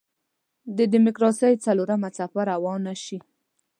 د دیموکراسۍ څلورمه څپه روانه شي.